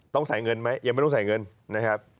ต้องใส่เงินไหมยังไม่ต้องใส่เงินนะครับ